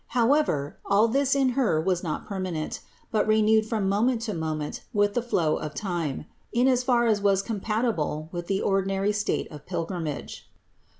However, all this in Her was not permanent, but renewed from moment to moment with the flow of time, in as far as was compatible with the ordinary state of pilgrimage.